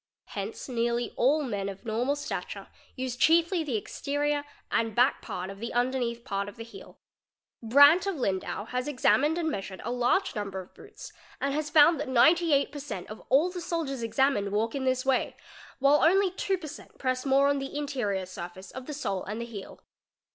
Hence nearly all men of normal stature use chiefly ' the exterior and back part of the underneath part of the heel. Brandt ®® Lindaw has examined and measured a large number of boots and has found that 98 % of all the soldiers examined walk in this way, while only 2%, press more on the interior surface of the sole and the heel.